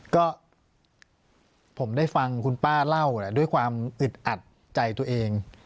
ก็ผมได้ฟังคุณป้าเล่าด้วยความอึดอัดใจตัวเอง